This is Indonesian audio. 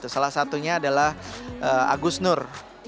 salah satunya adalah agus nur